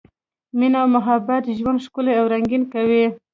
مینه او محبت ژوند ښکلی او رنګین کوي.